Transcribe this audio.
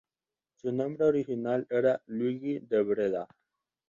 Su nombre original era Luigi de Breda.